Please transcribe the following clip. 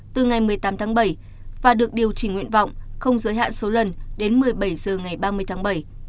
từ ngày một mươi tám tháng bảy và được điều chỉnh nguyện vọng không giới hạn số lần đến một mươi bảy h ngày ba mươi tháng bảy